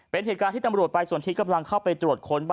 เป็นเหตุการณ์ที่ตำรวจไปส่วนที่กำลังเข้าไปตรวจค้น